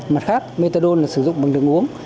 mặt khác methadone là sử dụng bằng đường uống